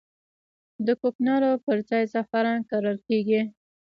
د کوکنارو پر ځای زعفران کرل کیږي